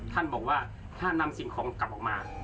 ท่านบอกว่าถ้านำสิ่งของกลับออกมา